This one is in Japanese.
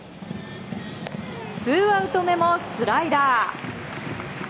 ツーアウト目もスライダー。